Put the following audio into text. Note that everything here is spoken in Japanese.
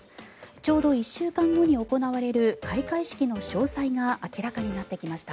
ちょうど１週間後に行われる開会式の詳細が明らかになってきました。